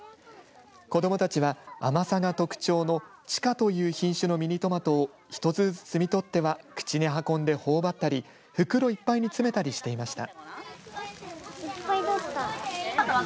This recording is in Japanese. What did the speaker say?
子どもたちは甘さが特徴の千果という品種のミニトマトを１つずつ摘み取っては口に運んでほおばったり袋いっぱいに詰めたりしていました。